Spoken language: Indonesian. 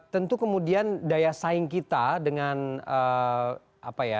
tentu kemudian daya saing kita dengan apa ya